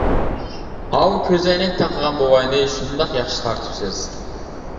ئاۋۇ كۆز ئەينەك تاقىغان بوۋاينى شۇنداق ياخشى تارتىپسىز.